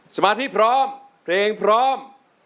สมาธิพร้อมเพลงพร้อม